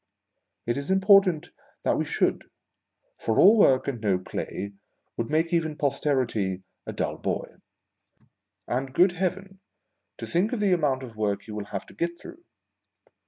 It i.s important that we should, for all work and no play would make even Posterity a dull boy. A nd, good Heaven, to think of the amount of work he will have to get through